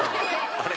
あれ？